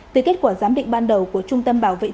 từ kết quả giám định ban đầu của trung tâm bảo vệ thực vật